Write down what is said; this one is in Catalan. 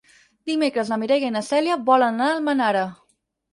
Dimecres na Mireia i na Cèlia volen anar a Almenara.